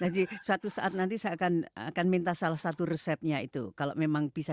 lagi suatu saat nanti saya akan minta salah satu resepnya itu kalau memang bisa